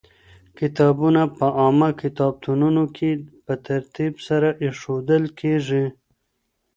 کتابونه په عامه کتابتونونو کي په ترتيب سره ايښودل کېږي.